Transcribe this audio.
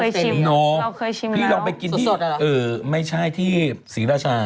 เราเคยชิมแล้วสดอ่ะหรอพี่เราไปกินที่ไม่ใช่ที่สีราชา